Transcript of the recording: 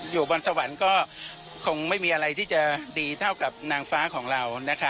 อยู่บนสวรรค์ก็คงไม่มีอะไรที่จะดีเท่ากับนางฟ้าของเรานะคะ